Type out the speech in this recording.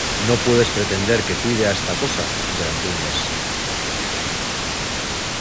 no puedes pretender que cuide a esta cosa durante un mes ;